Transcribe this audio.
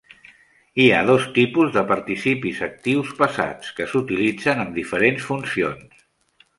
Hi ha dos tipus de participis actius passats, que s'utilitzen amb diferents funcions.